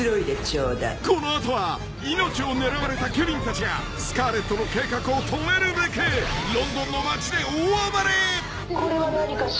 ［この後は命を狙われたケビンたちがスカーレットの計画を止めるべくロンドンの街で大暴れ！］